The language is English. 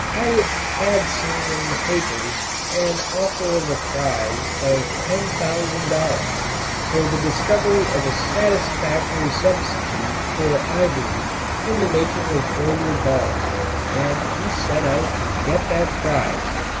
Hyatt had seen in the papers an offer of a prize of $10,000 for the discovery of a satisfactory substitute for ivory in the making of billiard balls and he set out to get that prize.